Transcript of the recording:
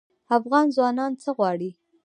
افغان ځوانان څه غواړي؟